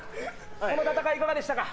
この戦い、いかがでしたか。